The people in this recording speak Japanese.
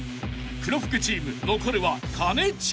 ［黒服チーム残るは兼近］